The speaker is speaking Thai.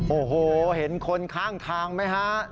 โอ้โหเห็นคนข้างทางไหมฮะ